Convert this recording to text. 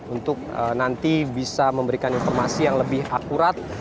untuk nanti bisa memberikan informasi yang lebih akurat